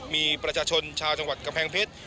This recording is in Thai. มีประชาชนชาวจังหวัดกำแพงเพชร